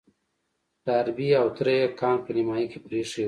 ډاربي او تره يې کان په نيمايي کې پرېيښی و.